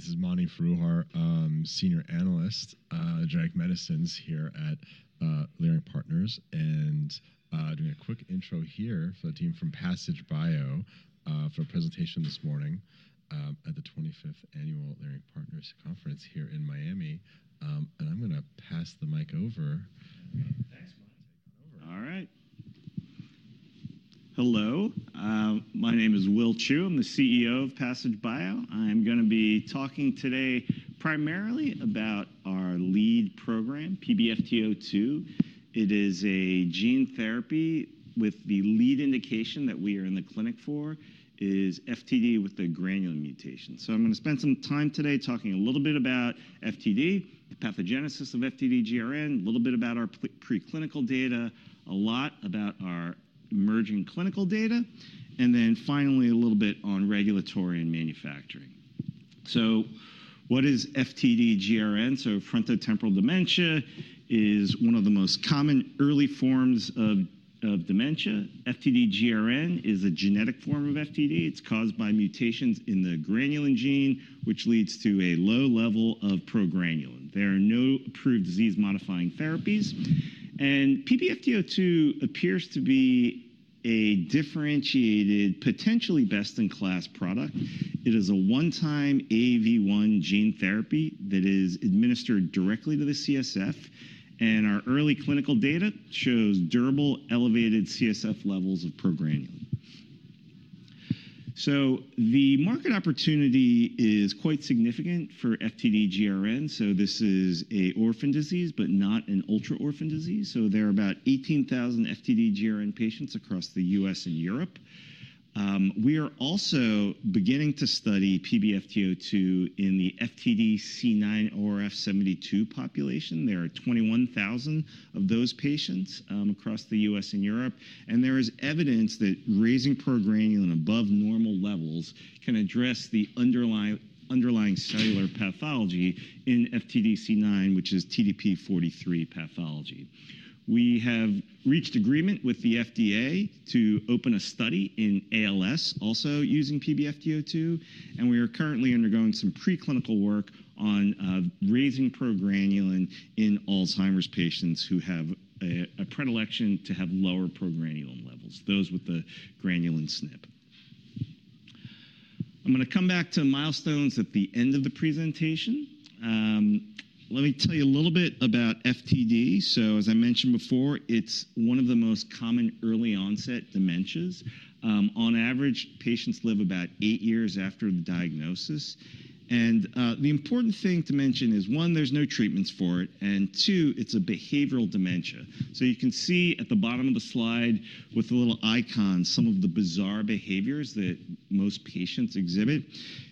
Hey, this is Mani Foroohar, senior analyst, generic medicines here at Leerink Partners. Doing a quick intro here for the team from Passage Bio, for a presentation this morning at the 25th Annual Leerink Partners Conference here in Miami. I'm going to pass the mic over. Thanks, Mani. All right. Hello. My name is Will Chou. I'm the CEO of Passage Bio. I'm going to be talking today primarily about our lead program, PBFT02. It is a gene therapy with the lead indication that we are in the clinic for is FTD with a granulin mutation. I'm going to spend some time today talking a little bit about FTD, the pathogenesis of FTD-GRN, a little bit about our preclinical data, a lot about our emerging clinical data, and then finally a little bit on regulatory and manufacturing. What is FTD-GRN? Frontotemporal dementia is one of the most common early forms of dementia. FTD-GRN is a genetic form of FTD. It's caused by mutations in the granulin gene, which leads to a low level of progranulin. There are no approved disease-modifying therapies. PBFT02 appears to be a differentiated, potentially best-in-class product. It is a one-time AAV1 gene therapy that is administered directly to the CSF. Our early clinical data shows durable, elevated CSF levels of progranulin. The market opportunity is quite significant for FTD-GRN. This is an orphan disease, but not an ultra-orphan disease. There are about 18,000 FTD- GRN patients across the U.S. and Europe. We are also beginning to study PBFT02 in the FTD-C9orf72 population. There are 21,000 of those patients across the U.S. and Europe. There is evidence that raising progranulin above normal levels can address the underlying cellular pathology in FTD-C9, which is TDP-43 pathology. We have reached agreement with the FDA to open a study in ALS, also using PBFT02. We are currently undergoing some preclinical work on raising progranulin in Alzheimer's patients who have a predilection to have lower progranulin levels, those with the granulin SNP. I am going to come back to milestones at the end of the presentation. Let me tell you a little bit about FTD. As I mentioned before, it is one of the most common early-onset dementias. On average, patients live about eight years after the diagnosis. The important thing to mention is, one, there are no treatments for it. Two, it is a behavioral dementia. You can see at the bottom of the slide with the little icon, some of the bizarre behaviors that most patients exhibit.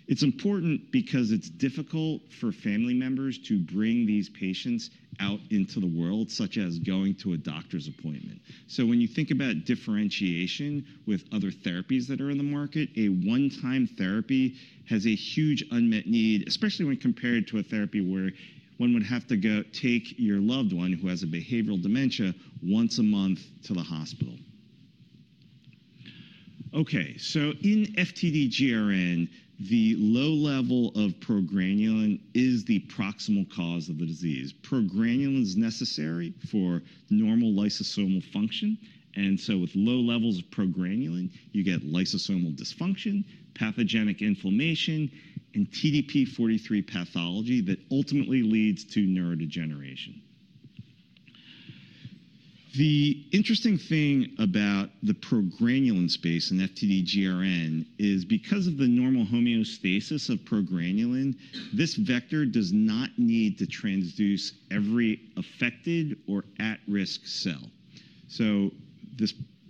It is important because it is difficult for family members to bring these patients out into the world, such as going to a doctor's appointment. When you think about differentiation with other therapies that are in the market, a one-time therapy has a huge unmet need, especially when compared to a therapy where one would have to go take your loved one who has a behavioral dementia once a month to the hospital. In FTD-GRN, the low level of progranulin is the proximal cause of the disease. Progranulin is necessary for normal lysosomal function. With low levels of progranulin, you get lysosomal dysfunction, pathogenic inflammation, and TDP-43 pathology that ultimately leads to neurodegeneration. The interesting thing about the progranulin space in FTD-GRN is because of the normal homeostasis of progranulin, this vector does not need to transduce every affected or at-risk cell.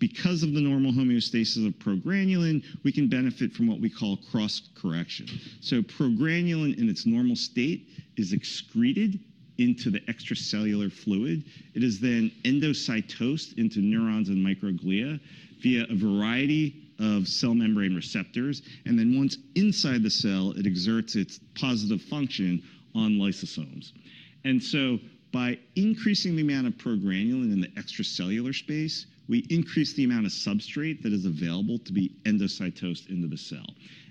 Because of the normal homeostasis of progranulin, we can benefit from what we call cross-correction. Progranulin in its normal state is excreted into the extracellular fluid. It is then endocytosed into neurons and microglia via a variety of cell membrane receptors. Once inside the cell, it exerts its positive function on lysosomes. By increasing the amount of progranulin in the extracellular space, we increase the amount of substrate that is available to be endocytosed into the cell.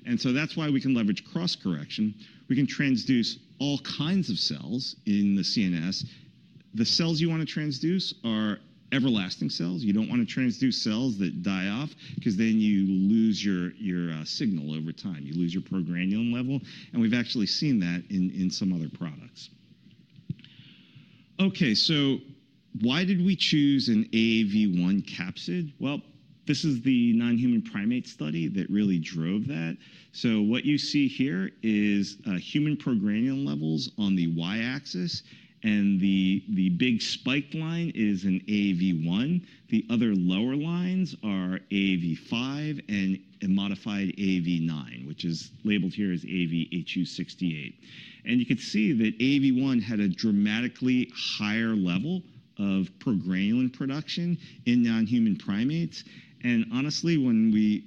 That is why we can leverage cross-correction. We can transduce all kinds of cells in the CNS. The cells you want to transduce are everlasting cells. You do not want to transduce cells that die off because then you lose your signal over time. You lose your progranulin level. We have actually seen that in some other products. Okay, why did we choose an AAV1 capsid? This is the non-human primate study that really drove that. What you see here is human progranulin levels on the Y-axis. The big spike line is an AAV1. The other lower lines are AAV5 and a modified AAV9, which is labeled here as AAVhu68. You can see that AAV1 had a dramatically higher level of progranulin production in non-human primates. Honestly, when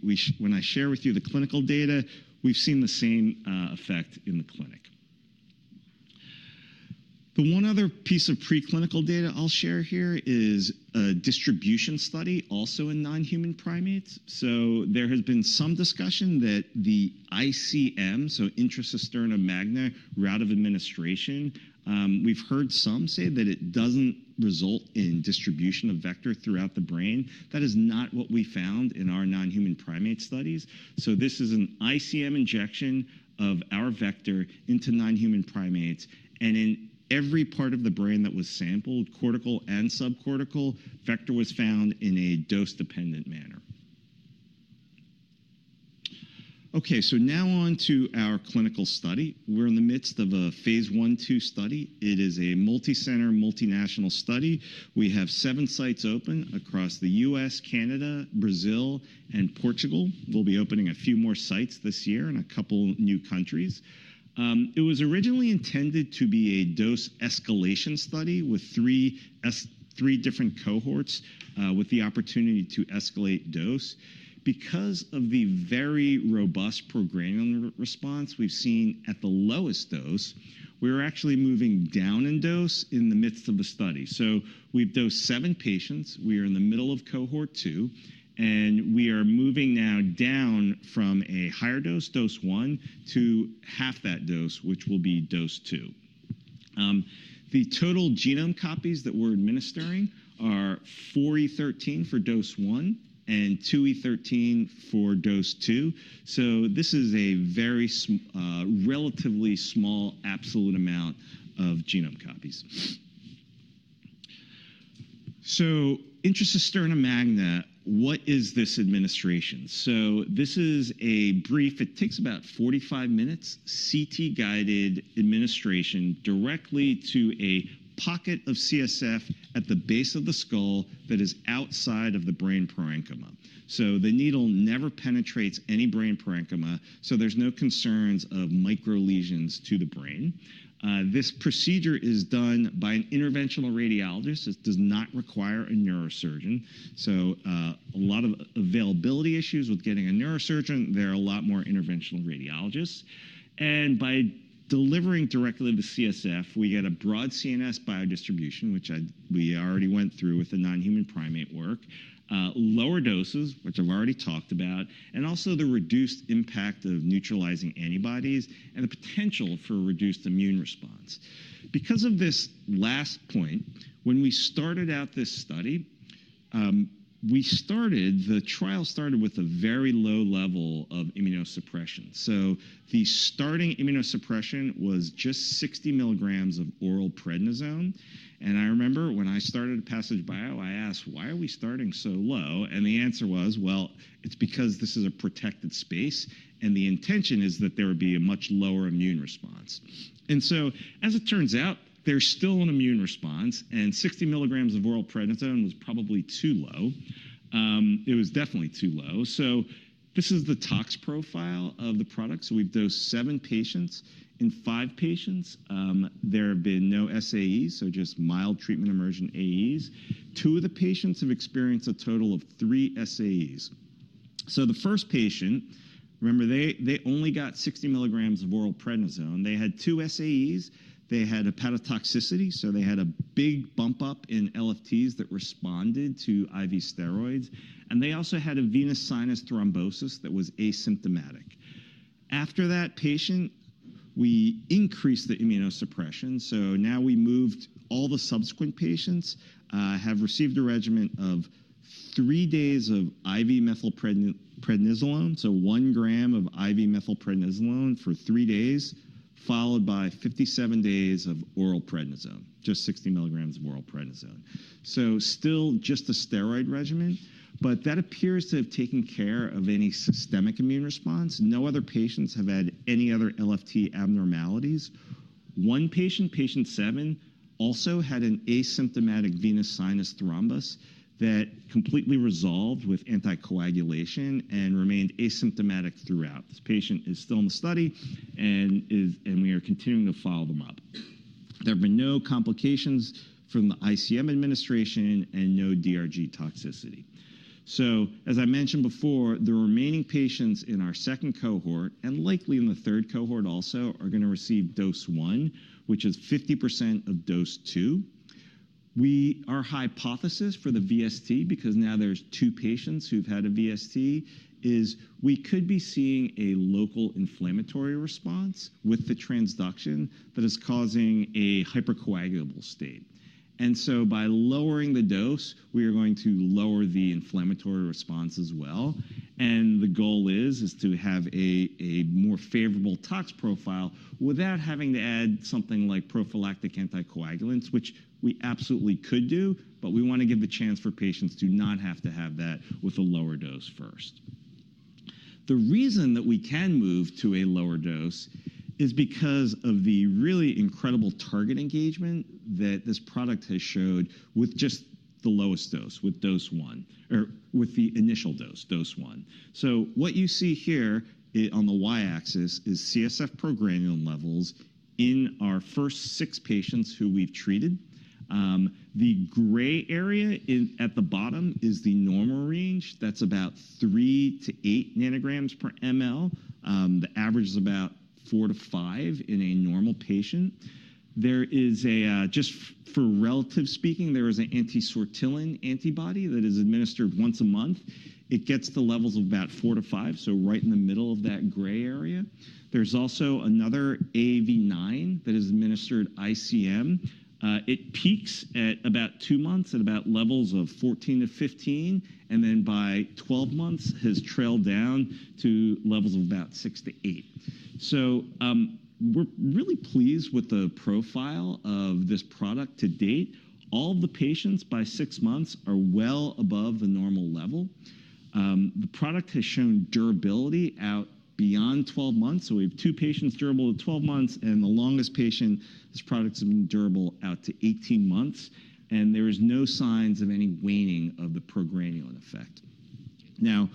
I share with you the clinical data, we've seen the same effect in the clinic. The one other piece of preclinical data I'll share here is a distribution study also in non-human primates. There has been some discussion that the ICM, so intracisterna magna route of administration, we've heard some say that it does not result in distribution of vector throughout the brain. That is not what we found in our non-human primate studies. This is an ICM injection of our vector into non-human primates. In every part of the brain that was sampled, cortical and subcortical, vector was found in a dose-dependent manner. Now on to our clinical study. We're in the midst of a phase one-two study. It is a multi-center, multinational study. We have seven sites open across the U.S., Canada, Brazil, and Portugal. We'll be opening a few more sites this year in a couple of new countries. It was originally intended to be a dose escalation study with three different cohorts, with the opportunity to escalate dose. Because of the very robust progranulin response we've seen at the lowest dose, we're actually moving down in dose in the midst of the study. We've dosed seven patients. We are in the middle of cohort two. We are moving now down from a higher dose, dose one, to half that dose, which will be dose two. The total genome copies that we're administering are 4E13 for dose one and 2E13 for dose two. This is a very, relatively small absolute amount of genome copies. Intracisterna magna, what is this administration? This is a brief, it takes about 45 minutes, CT-guided administration directly to a pocket of CSF at the base of the skull that is outside of the brain parenchyma. The needle never penetrates any brain parenchyma. There are no concerns of micro-lesions to the brain. This procedure is done by an interventional radiologist. It does not require a neurosurgeon. A lot of availability issues with getting a neurosurgeon, there are a lot more interventional radiologists. By delivering directly to the CSF, we get a broad CNS biodistribution, which we already went through with the non-human primate work, lower doses, which I've already talked about, and also the reduced impact of neutralizing antibodies and the potential for reduced immune response. Because of this last point, when we started out this study, we started, the trial started with a very low level of immunosuppression. The starting immunosuppression was just 60 milligrams of oral prednisone. I remember when I started at Passage Bio, I asked, why are we starting so low? The answer was, it's because this is a protected space. The intention is that there would be a much lower immune response. As it turns out, there's still an immune response. Sixty milligrams of oral prednisone was probably too low. It was definitely too low. This is the tox profile of the product. We've dosed seven patients. In five patients, there have been no SAEs, so just mild treatment-emergent AEs. Two of the patients have experienced a total of three SAEs. The first patient, remember, they only got 60 milligrams of oral prednisone. They had two SAEs. They had hepatotoxicity. They had a big bump up in LFTs that responded to IV steroids. They also had a venous sinus thrombosis that was asymptomatic. After that patient, we increased the immunosuppression. Now we moved all the subsequent patients, have received a regimen of three days of IV methylprednisolone, one gram of IV methylprednisolone for three days, followed by 57 days of oral prednisone, just 60 milligrams of oral prednisone. Still just a steroid regimen, but that appears to have taken care of any systemic immune response. No other patients have had any other LFT abnormalities. One patient, patient seven, also had an asymptomatic venous sinus thrombus that completely resolved with anticoagulation and remained asymptomatic throughout. This patient is still in the study and we are continuing to follow them up. There have been no complications from the ICM administration and no DRG toxicity. As I mentioned before, the remaining patients in our second cohort and likely in the third cohort also are going to receive dose one, which is 50% of dose two. Our hypothesis for the VST, because now there are two patients who have had a VST, is we could be seeing a local inflammatory response with the transduction that is causing a hypercoagulable state. By lowering the dose, we are going to lower the inflammatory response as well. The goal is to have a more favorable tox profile without having to add something like prophylactic anticoagulants, which we absolutely could do, but we want to give the chance for patients to not have to have that with a lower dose first. The reason that we can move to a lower dose is because of the really incredible target engagement that this product has showed with just the lowest dose, with dose one, or with the initial dose, dose one. What you see here on the Y-axis is CSF progranulin levels in our first six patients who we've treated. The gray area at the bottom is the normal range. That's about 3-8 nanograms per mL. The average is about 4-5 in a normal patient. There is a, just for relative speaking, there is an anti-sortilin antibody that is administered once a month. It gets to levels of about four to five, so right in the middle of that gray area. There's also another AAV9 that is administered ICM. It peaks at about two months at about levels of 14-15, and then by 12 months has trailed down to levels of about six to eight. We are really pleased with the profile of this product to date. All of the patients by six months are well above the normal level. The product has shown durability out beyond 12 months. We have two patients durable at 12 months, and the longest patient, this product's been durable out to 18 months. There are no signs of any waning of the progranulin effect. Now,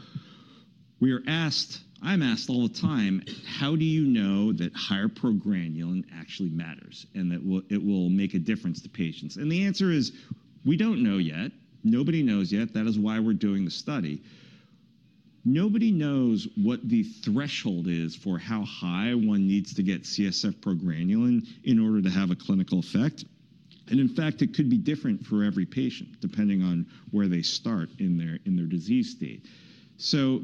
we are asked, I'm asked all the time, how do you know that higher progranulin actually matters and that it will make a difference to patients? The answer is, we do not know yet. Nobody knows yet. That is why we are doing the study. Nobody knows what the threshold is for how high one needs to get CSF progranulin in order to have a clinical effect. In fact, it could be different for every patient depending on where they start in their disease state.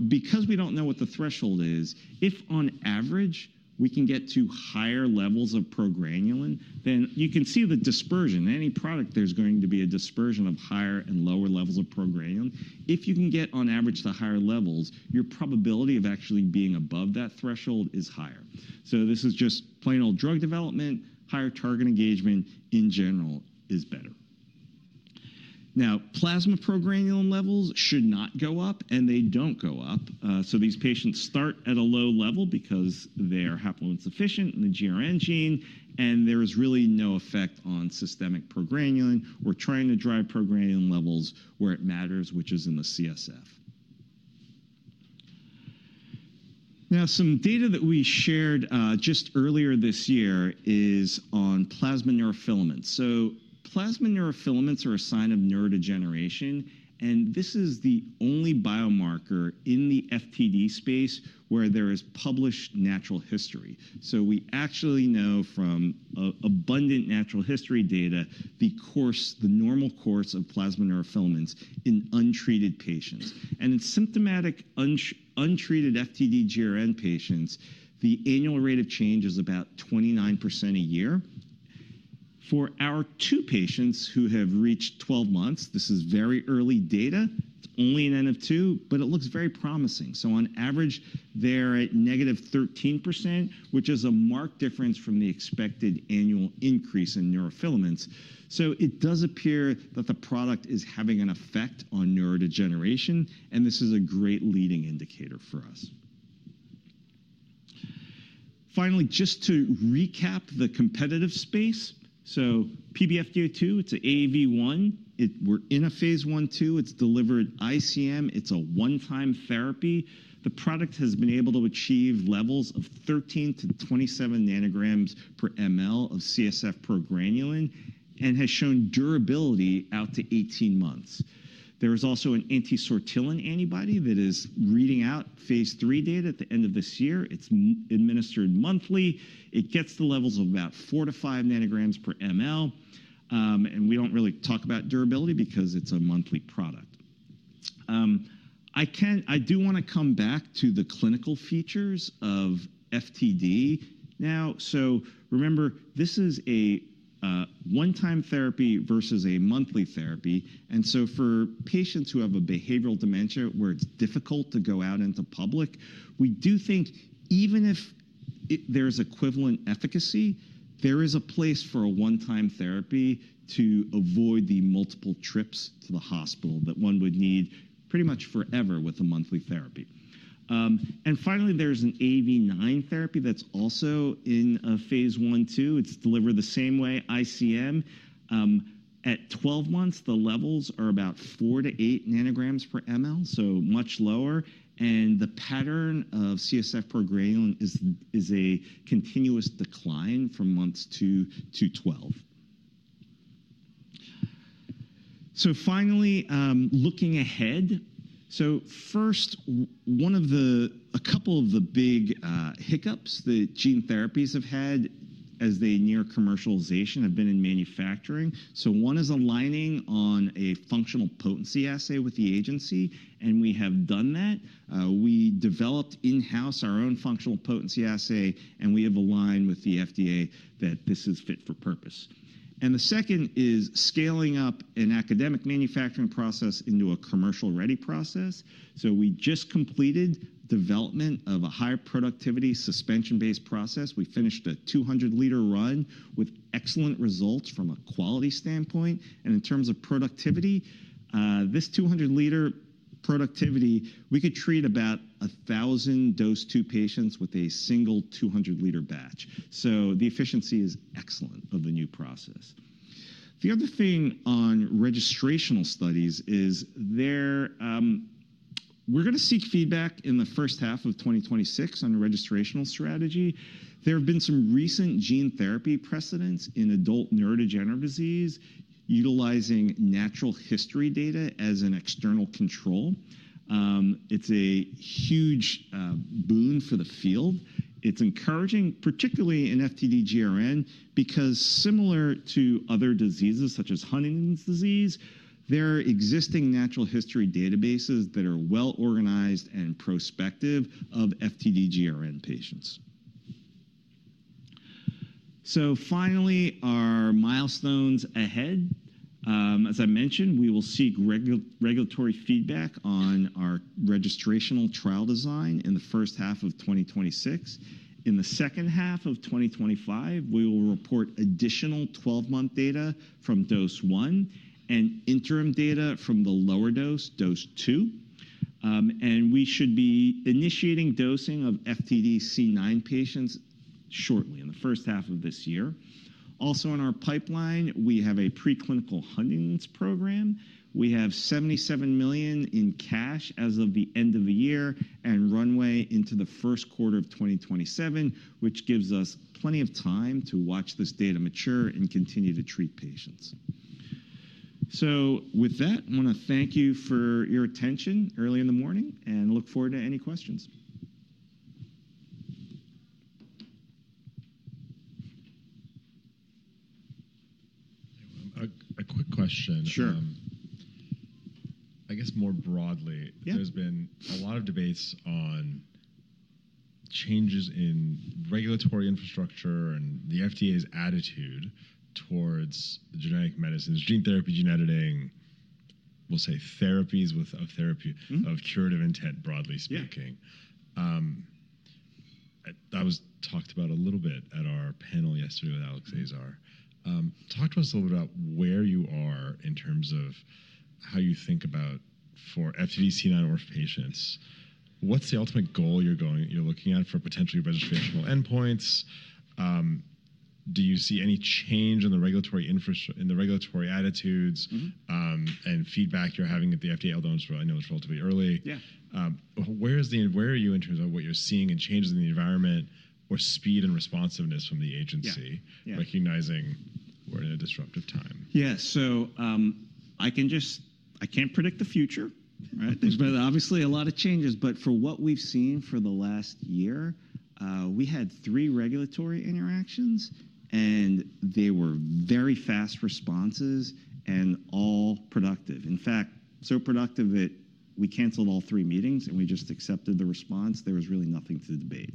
Because we do not know what the threshold is, if on average we can get to higher levels of progranulin, then you can see the dispersion. Any product, there is going to be a dispersion of higher and lower levels of progranulin. If you can get on average to higher levels, your probability of actually being above that threshold is higher. This is just plain old drug development. Higher target engagement in general is better. Plasma progranulin levels should not go up, and they do not go up. These patients start at a low level because they are haploinsufficient in the GRN gene, and there is really no effect on systemic progranulin. We are trying to drive progranulin levels where it matters, which is in the CSF. Some data that we shared just earlier this year is on plasma neurofilaments. Plasma neurofilaments are a sign of neurodegeneration. This is the only biomarker in the FTD space where there is published natural history. We actually know from abundant natural history data the course, the normal course of plasma neurofilaments in untreated patients. In symptomatic untreated FTD-GRN patients, the annual rate of change is about 29% a year. For our two patients who have reached 12 months, this is very early data. It is only an N of 2, but it looks very promising. On average, they're at negative 13%, which is a marked difference from the expected annual increase in neurofilaments. It does appear that the product is having an effect on neurodegeneration. This is a great leading indicator for us. Finally, just to recap the competitive space. PBFT02, it's an AAV1. We're in a phase one-two. It's delivered ICM. It's a one-time therapy. The product has been able to achieve levels of 13-27 nanograms per mL of CSF progranulin and has shown durability out to 18 months. There is also an anti-sortillin antibody that is reading out phase three data at the end of this year. It's administered monthly. It gets to levels of about 4-5 nanograms per mL, and we don't really talk about durability because it's a monthly product. I can, I do want to come back to the clinical features of FTD now. Remember, this is a one-time therapy versus a monthly therapy. For patients who have a behavioral dementia where it's difficult to go out into public, we do think even if there's equivalent efficacy, there is a place for a one-time therapy to avoid the multiple trips to the hospital that one would need pretty much forever with a monthly therapy. Finally, there's an AAV9 therapy that's also in a phase one-two. It's delivered the same way, ICM. At 12 months, the levels are about 4-8 nanograms per mL, so much lower. The pattern of CSF progranulin is a continuous decline from months two to twelve. Finally, looking ahead, first, one of the, a couple of the big hiccups that gene therapies have had as they near commercialization have been in manufacturing. One is aligning on a functional potency assay with the agency. We have done that. We developed in-house our own functional potency assay, and we have aligned with the FDA that this is fit for purpose. The second is scaling up an academic manufacturing process into a commercial-ready process. We just completed development of a high-productivity suspension-based process. We finished a 200-liter run with excellent results from a quality standpoint. In terms of productivity, this 200-liter productivity, we could treat about 1,000 dose two patients with a single 200-liter batch. The efficiency is excellent of the new process. The other thing on registrational studies is they're, we're going to seek feedback in the first half of 2026 on registrational strategy. There have been some recent gene therapy precedents in adult neurodegenerative disease utilizing natural history data as an external control. It's a huge boon for the field. It's encouraging, particularly in FTD-GRN, because similar to other diseases such as Huntington's disease, there are existing natural history databases that are well-organized and prospective of FTD-GRN patients. Finally, our milestones ahead. As I mentioned, we will seek regulatory feedback on our registrational trial design in the first half of 2026. In the second half of 2025, we will report additional 12-month data from dose one and interim data from the lower dose, dose two. We should be initiating dosing of FTD-C9 patients shortly in the first half of this year. Also, in our pipeline, we have a preclinical Huntington's program. We have $77 million in cash as of the end of the year and runway into the first quarter of 2027, which gives us plenty of time to watch this data mature and continue to treat patients. With that, I want to thank you for your attention early in the morning and look forward to any questions. A quick question. Sure. I guess more broadly, there's been a lot of debates on changes in regulatory infrastructure and the FDA's attitude towards genetic medicines, gene therapy, gene editing, we'll say therapies with a therapy of curative intent, broadly speaking. That was talked about a little bit at our panel yesterday with Alex Azar. Talk to us a little bit about where you are in terms of how you think about for FTD-C9 or patients. What's the ultimate goal you're going, you're looking at for potentially registrational endpoints? Do you see any change in the regulatory infrastructure, in the regulatory attitudes, and feedback you're having at the FDA? I know it's relatively early. Yeah. Where is the, where are you in terms of what you're seeing in changes in the environment or speed and responsiveness from the agency? Yeah, recognizing we're in a disruptive time. Yeah. I can just, I can't predict the future, right? There's been obviously a lot of changes, but for what we've seen for the last year, we had three regulatory interactions and they were very fast responses and all productive. In fact, so productive that we canceled all three meetings and we just accepted the response. There was really nothing to debate.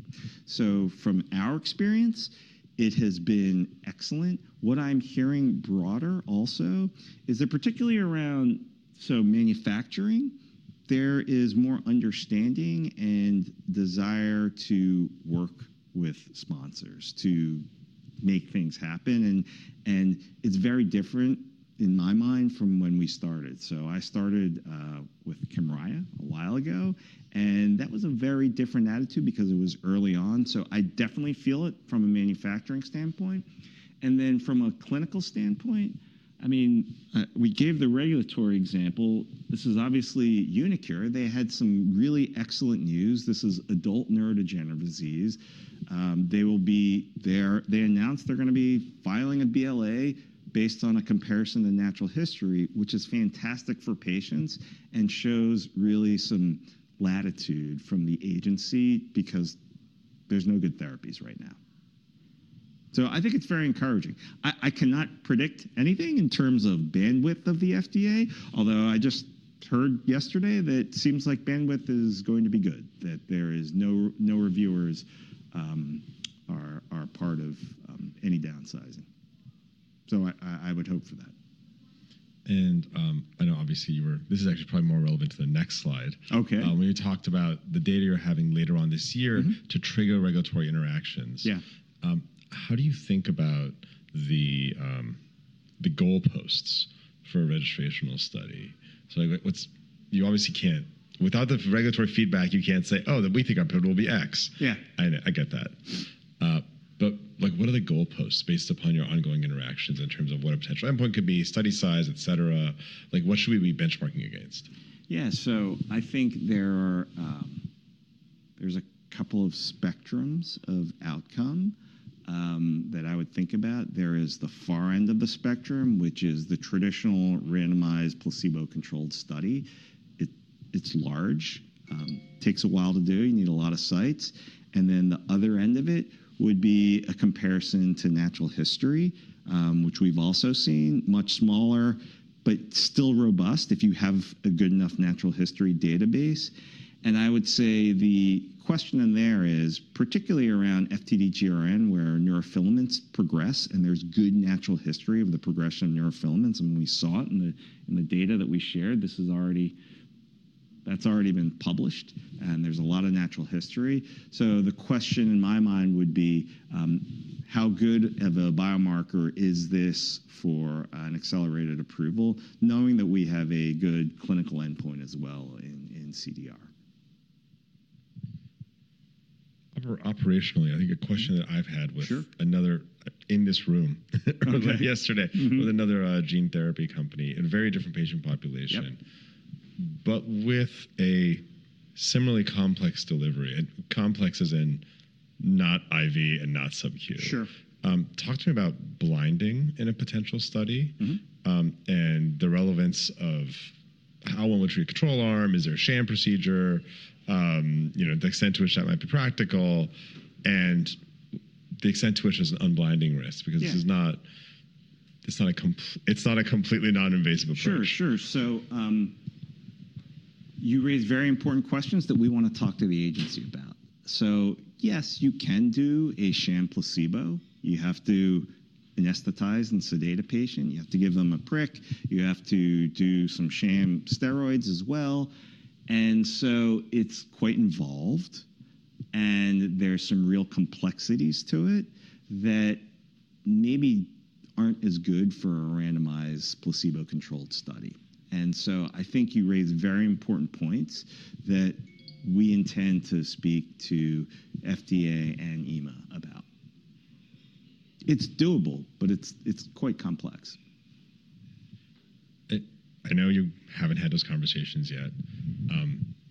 From our experience, it has been excellent. What I'm hearing broader also is that particularly around, so manufacturing, there is more understanding and desire to work with sponsors to make things happen. It is very different in my mind from when we started. I started with Kymriah a while ago, and that was a very different attitude because it was early on. I definitely feel it from a manufacturing standpoint. From a clinical standpoint, I mean, we gave the regulatory example. This is obviously uniQure. They had some really excellent news. This is adult neurodegenerative disease. They will be there. They announced they're going to be filing a BLA based on a comparison to natural history, which is fantastic for patients and shows really some latitude from the agency because there's no good therapies right now. I think it's very encouraging. I cannot predict anything in terms of bandwidth of the FDA, although I just heard yesterday that it seems like bandwidth is going to be good, that there are no reviewers are part of any downsizing. I would hope for that. I know obviously you were, this is actually probably more relevant to the next slide. Okay. We talked about the data you're having later on this year to trigger regulatory interactions. Yeah. How do you think about the goal posts for a registrational study? Like what's, you obviously can't, without the regulatory feedback, you can't say, oh, that we think our pivot will be X. Yeah. I get that. but like what are the goal posts based upon your ongoing interactions in terms of what a potential endpoint could be, study size, et cetera? Like what should we be benchmarking against? Yeah. I think there are, there's a couple of spectrums of outcome that I would think about. There is the far end of the spectrum, which is the traditional randomized placebo-controlled study. It's large, takes a while to do. You need a lot of sites. The other end of it would be a comparison to natural history, which we've also seen, much smaller but still robust if you have a good enough natural history database. I would say the question in there is particularly around FTD-GRN where neurofilaments progress and there's good natural history of the progression of neurofilaments. We saw it in the data that we shared. This is already, that's already been published and there's a lot of natural history. The question in my mind would be, how good of a biomarker is this for an accelerated approval, knowing that we have a good clinical endpoint as well in CDR? Operationally, I think a question that I've had with another in this room yesterday with another gene therapy company in a very different patient population, but with a similarly complex delivery and complex as in not IV and not subcu. Sure. Talk to me about blinding in a potential study, and the relevance of how well would you control arm, is there a sham procedure, you know, the extent to which that might be practical and the extent to which there's an unblinding risk because this is not, it's not a completely non-invasive approach. Sure, sure. You raised very important questions that we want to talk to the agency about. Yes, you can do a sham placebo. You have to anesthetize and sedate a patient. You have to give them a prick. You have to do some sham steroids as well. It is quite involved. There are some real complexities to it that maybe are not as good for a randomized placebo-controlled study. I think you raised very important points that we intend to speak to FDA and EMA about. It is doable, but it is quite complex. I know you have not had those conversations yet.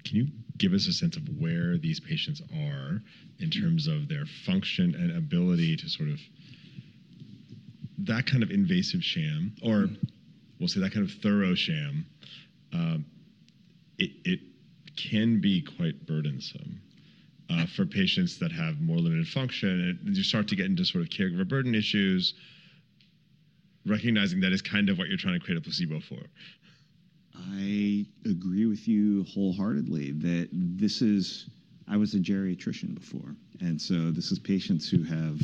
Can you give us a sense of where these patients are in terms of their function and ability to sort of that kind of invasive sham or we will say that kind of thorough sham? It can be quite burdensome for patients that have more limited function. You start to get into sort of caregiver burden issues, recognizing that is kind of what you are trying to create a placebo for. I agree with you wholeheartedly that this is, I was a geriatrician before. This is patients who have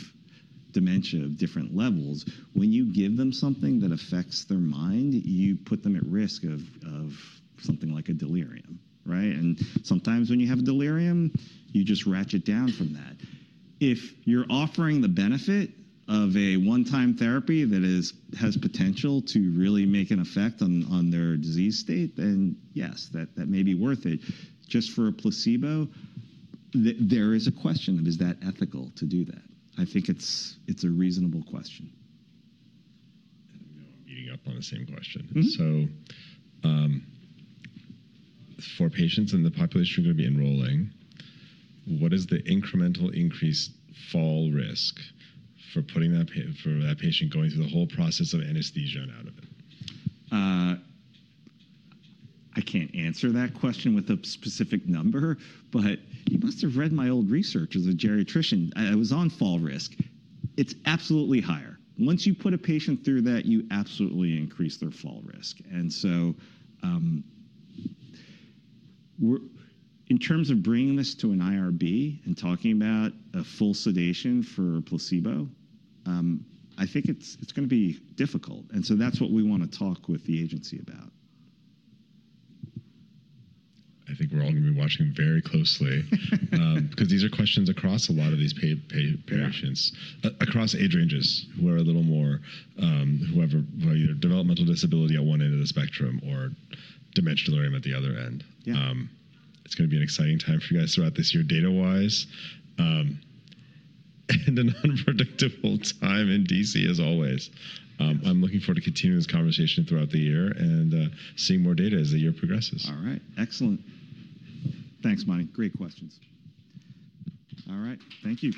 dementia of different levels. When you give them something that affects their mind, you put them at risk of something like a delirium, right? Sometimes when you have a delirium, you just ratchet down from that. If you're offering the benefit of a one-time therapy that has potential to really make an effect on their disease state, then yes, that may be worth it. Just for a placebo, there is a question of is that ethical to do that? I think it's a reasonable question. I know I'm eating up on the same question. For patients in the population who are going to be enrolling, what is the incremental increase fall risk for putting that patient going through the whole process of anesthesia and out of it? I can't answer that question with a specific number, but you must have read my old research as a geriatrician. I was on fall risk. It's absolutely higher. Once you put a patient through that, you absolutely increase their fall risk. In terms of bringing this to an IRB and talking about a full sedation for placebo, I think it's going to be difficult. That is what we want to talk with the agency about. I think we're all going to be watching very closely because these are questions across a lot of these patients, across age ranges who are a little more, whoever developmental disability at one end of the spectrum or dementia delirium at the other end. It's going to be an exciting time for you guys throughout this year data-wise and an unpredictable time in D.C. as always. I'm looking forward to continuing this conversation throughout the year and seeing more data as the year progresses. All right. Excellent. Thanks, Mani. Great questions. All right. Thank you.